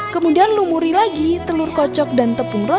kemudian lumuri lagi telur kocok dan tepung royong